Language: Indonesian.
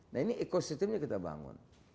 nah ini ekosistemnya kita bangun